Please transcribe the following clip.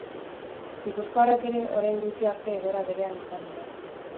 Gipuzkoarrak ere orain gutxi arte egoera berean izan dira.